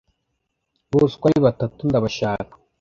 bose uko ari batatu ndabashaka